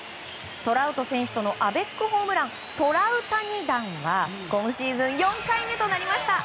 トラウト選手とのアベックホームラントラウタニ弾は今シーズン４回目となりました。